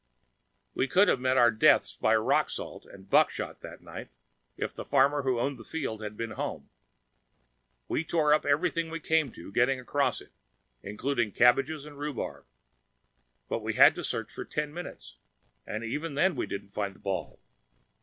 We could have met our deaths by rock salt and buckshot that night, if the farmer who owned that field had been home. We tore up everything we came to getting across it including cabbages and rhubarb. But we had to search for ten minutes, and even then we didn't find the ball.